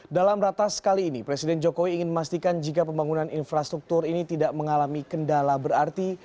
dalam ratas kali ini presiden jokowi ingin memastikan jika pembangunan infrastruktur ini tidak mengalami kendala berarti